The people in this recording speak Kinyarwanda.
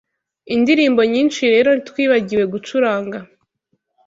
Indirimbo nyinshi rero twibagiwe gucuranga